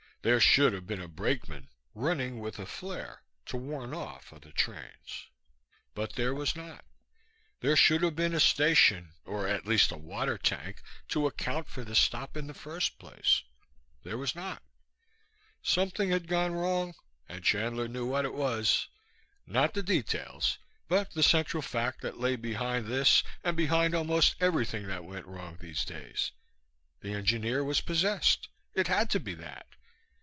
There should have been a brakeman running with a flare to ward off other trains; but there was not. There should have been a station, or at least a water tank, to account for the stop in the first place. There was not. Something had gone wrong, and Chandler knew what it was. Not the details, but the central fact that lay behind this and behind almost everything that went wrong these days. The engineer was possessed. It had to be that.